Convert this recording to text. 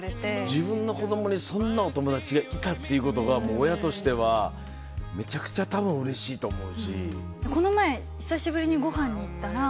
自分の子どもにそんなお友達がいたっていうことが、もう親としては、めちゃくちゃたぶんうれこの前、久しぶりにごはんに行ったら。